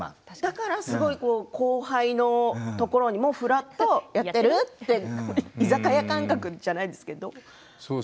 だから後輩のところにもふらっとやってる？って居酒屋感覚じゃないですけど。